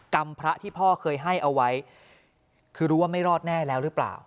กรรมพระที่พ่อเคยให้เอาไว้คือรู้ว่าไม่รอดแน่แล้วหรือเปล่า